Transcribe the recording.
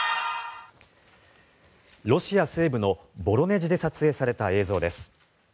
ロシア西部のボロネジで撮影された映像です。